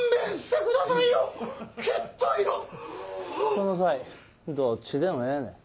この際どっちでもええねん。